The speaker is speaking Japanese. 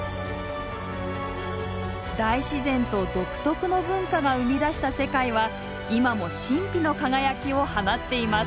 大自然と独特の文化が生み出した世界は今も神秘の輝きを放っています。